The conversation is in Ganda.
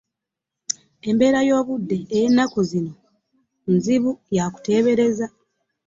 Embeere y'obudde y'enaku zino nzibu yakuteebereza.